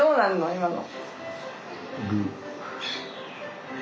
今の。